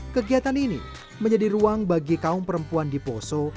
kegiatan ini menjadi ruang bagi kaum perempuan di poso